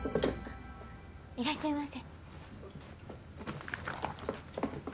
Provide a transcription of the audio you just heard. いらっしゃいませ。